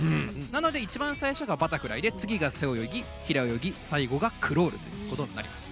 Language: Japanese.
なので一番最初がバタフライで背泳ぎ平泳ぎ、最後がクロールということになります。